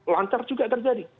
lancar juga terjadi